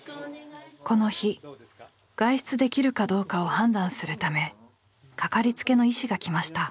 この日外出できるかどうかを判断するためかかりつけの医師が来ました。